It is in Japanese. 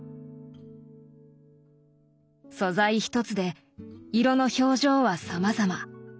素材一つで色の表情はさまざま。